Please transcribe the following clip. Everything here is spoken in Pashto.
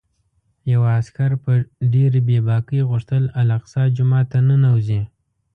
یوه عسکر په ډېرې بې باکۍ غوښتل الاقصی جومات ته ننوځي.